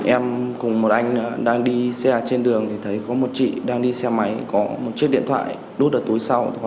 em cùng một anh đang đi xe trên đường thì thấy có một chị đang đi xe máy có một chiếc điện thoại đốt ở tối sau